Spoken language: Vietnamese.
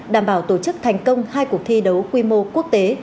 đảm bảo tổ chức thành công hai cuộc thi đấu quy mô quốc tế